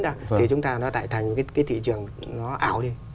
thì chúng ta nó thành thị trường nó ảo đi